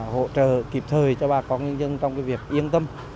hỗ trợ kịp thời cho bà con nhân dân trong việc yên tâm